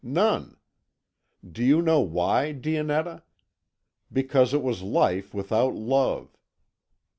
None. Do you know why, Dionetta? Because it was life without love.